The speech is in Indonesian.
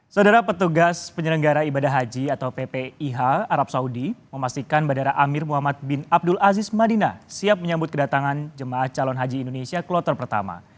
saudara petugas penyelenggara ibadah haji atau ppih arab saudi memastikan bandara amir muhammad bin abdul aziz madinah siap menyambut kedatangan jemaah calon haji indonesia kloter pertama